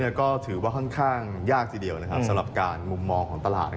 ก็ถือว่าค่อนข้างยากทีเดียวนะครับสำหรับการมุมมองของตลาด